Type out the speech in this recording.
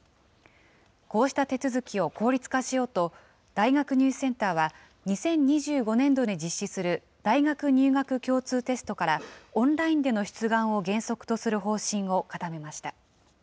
こうした手続きを効率化しようと、大学入試センターは２０２５年度に実施する大学入学共通テストからオンラインでの出願を原則とする方針を固めました。